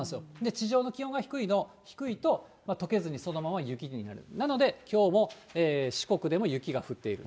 地上の気温が低いと、とけずにそのまま雪になる、なのできょうも四国でも雪が降っている。